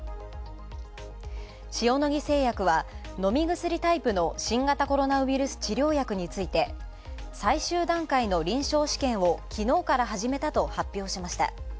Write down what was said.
塩野義製薬は飲み薬タイプの新型コロナウイルス治療薬について最終段階の臨床試験をきのうから始めたと発表しました。